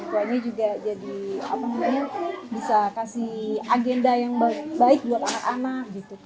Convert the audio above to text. orang tuanya juga bisa kasih agenda yang baik buat anak anak